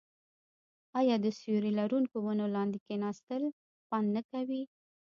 آیا د سیوري لرونکو ونو لاندې کیناستل خوند نه کوي؟